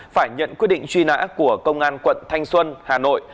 phải nhận quyết định truy nã của công an quận thanh xuân hà nội